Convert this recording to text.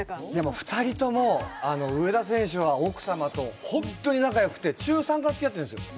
２人とも、植田選手は奥様と本当に仲よくて、中３からつきあってるんですよ。